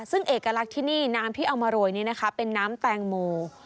ซึ่งเอกลักษณ์ที่นี่น้ำที่เอามาโรยนี้นะคะเป็นน้ำแตงโม